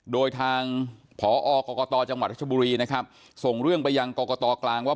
โดยทางผอกรกตจังหวัดรัชบุรีนะครับส่งเรื่องไปยังกรกตกลางว่า